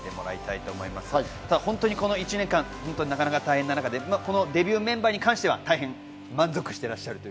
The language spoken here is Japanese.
本当にこの１年間、なかなか大変な中で、デビューメンバーに関しては大変満足していらっしゃると？